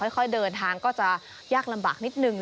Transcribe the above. ค่อยเดินทางก็จะยากลำบากนิดนึง